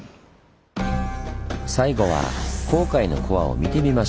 最後は紅海のコアを見てみましょう。